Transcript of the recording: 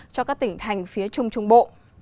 cho các tỉnh thành phía trung trung bộ